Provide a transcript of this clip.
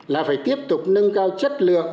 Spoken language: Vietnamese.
là phải tiếp tục nâng cao chất lượng